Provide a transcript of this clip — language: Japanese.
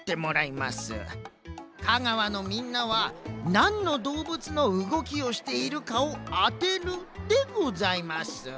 香川のみんなはなんのどうぶつのうごきをしているかをあてるでございます。